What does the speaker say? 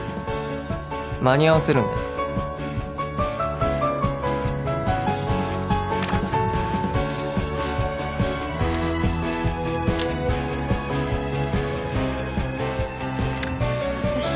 間に合わせるんだよよし